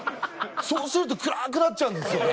そうすると暗くなっちゃうんですよね。